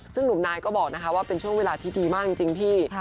ซึ่งหนุ่มนายก็บอกนะคะว่าเป็นช่วงเวลาที่ดีมากจริงพี่